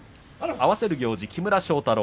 合わせる行司は木村庄太郎。